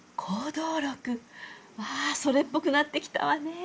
わあそれっぽくなってきたわね。